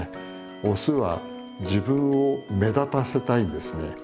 オスは自分を目立たせたいんですね。